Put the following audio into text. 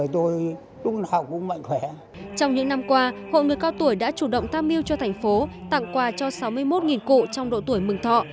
trong những năm qua hội người cao tuổi đã chủ động tham mưu cho thành phố tặng quà cho sáu mươi một cụ trong độ tuổi mừng thọ